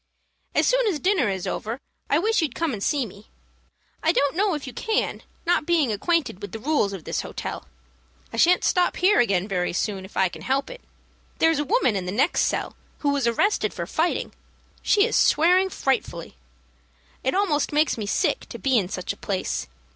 As soon as dinner is over, I wish you'd come and see me. I don't know if you can, not being acquainted with the rules of this hotel. I shan't stop here again very soon, if I can help it. There's a woman in the next cell, who was arrested for fighting. She is swearing frightfully. It almost makes me sick to be in such a place.